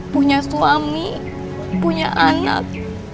punya suami punya anak